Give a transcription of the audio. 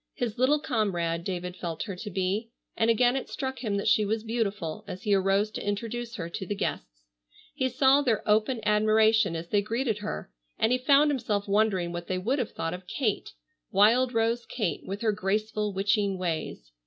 His little comrade, David felt her to be, and again it struck him that she was beautiful as he arose to introduce her to the guests. He saw their open admiration as they greeted her, and he found himself wondering what they would have thought of Kate, wild rose Kate with her graceful witching ways.